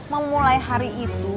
memulai hari itu